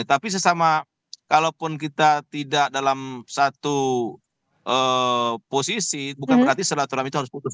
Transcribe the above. tapi sesama kalaupun kita tidak dalam satu posisi bukan berarti silaturahmi itu harus putus